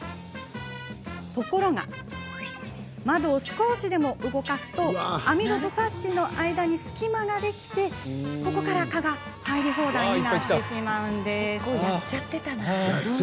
ところが、窓を少しでも動かすと網戸とサッシの間に隙間ができて蚊が入り放題となってしまうんです。